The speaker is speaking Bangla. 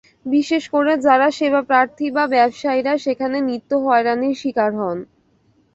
বিশেষ করে যাঁরা সেবাপ্রার্থী বা ব্যবসায়ীরা সেখানে নিত্য হয়রানির শিকার হন।